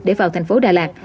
để vào thành phố đà lạt